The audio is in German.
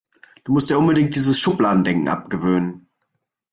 Du musst dir unbedingt dieses Schubladendenken abgewöhnen.